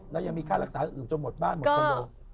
แล้วยังมีค่ารักษาอื่นจนหมดบ้านหมดคอนโด